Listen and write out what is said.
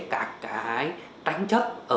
các cái tránh chất